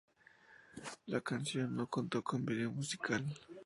La canción no contó con vídeo musical.